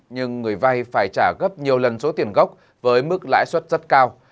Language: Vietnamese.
nhưng người vay phải trả gấp nhiều lần số tiền gốc với mức lãi suất rất cao